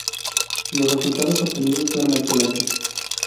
Los resultados obtenidos fueron excelentes.